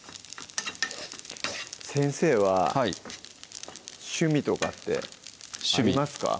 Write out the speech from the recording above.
先生は趣味とかってありますか？